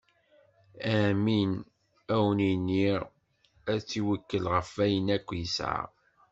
Amin, ad wen-iniɣ: ad t-iwekkel ɣef wayen akk yesɛa.